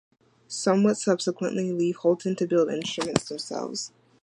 Some would subsequently leave Holton to build instruments themselves.